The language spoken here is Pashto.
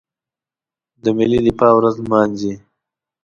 د ملي دفاع ورځ نمانځي.